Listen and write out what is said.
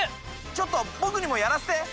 ちょっと僕にもやらせて！